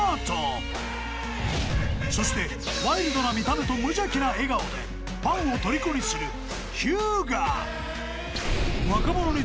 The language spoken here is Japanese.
［そしてワイルドな見た目と無邪気な笑顔でファンをとりこにするひゅうが］